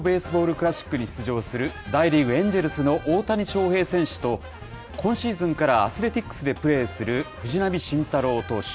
クラシックに出場する大リーグ・エンジェルスの大谷翔平選手と、今シーズンからアスレティックスでプレーする藤浪晋太郎投手。